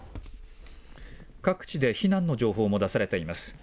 各地で避難の情報も出されています。